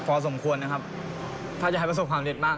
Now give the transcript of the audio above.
ก็เป็นความสำเร็จหน่อยนะครับผมว่าพอดีว่าจับหูก็มาเป็นประสบความสำเร็จนะครับ